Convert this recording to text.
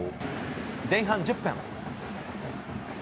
前半１０分。